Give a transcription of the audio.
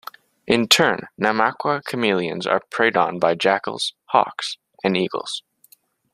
In turn, Namaqua chameleons are preyed upon by jackals, hawks, and eagles.